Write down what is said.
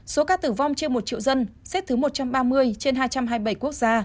số ca tử vong trên một triệu dân xếp thứ một trăm ba mươi trên hai trăm hai mươi bảy quốc gia